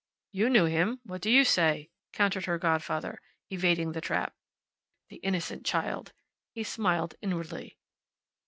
"You knew him. What do you say?" countered her godfather, evading the trap. The innocent child! He smiled inwardly.